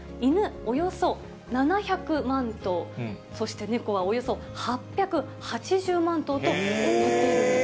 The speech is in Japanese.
およそ７００万頭、そして猫はおよそ８８０万頭となっているんです。